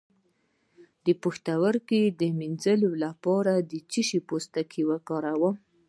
د پښتورګو د مینځلو لپاره د څه شي پوستکی وکاروم؟